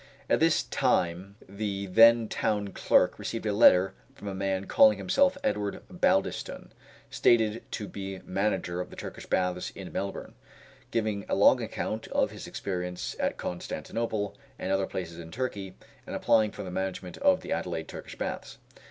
At this time the then town clerk received a letter from a man calling himself Edward Baldiston, stated to be manager of the Turkish Baths in Melbourne, giving a long account of his experience at Constantinople, and other places in Turkey, and applying for the management of the Adelaide Turkish Baths.